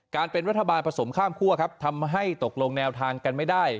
การเป็นรัฐบาลผสมข้ามคั่วครับทำให้ตกลงแนวทางกันไม่ได้